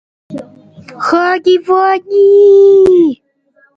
Iced tea and white cheddar popcorn are a delicious snack combination.